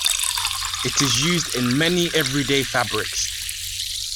It is used in many everyday fabrics.